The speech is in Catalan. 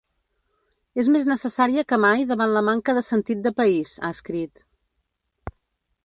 És més necessària que mai davant la manca de sentit de país, ha escrit.